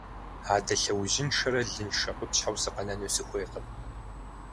Адэ лъэужьыншэрэ лыншэ къупщхьэу сыкъэнэну сыхуейкъым.